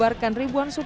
tidak ada yang menanggung